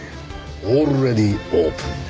オールレディオープンだ。